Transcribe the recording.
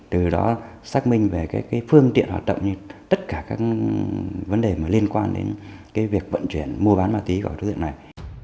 từ đó xác minh về phương tiện hoạt động như tất cả các vấn đề liên quan đến việc vận chuyển mua bán ma túy của đối tượng này